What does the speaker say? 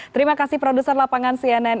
terima kasih produser lapangan cnn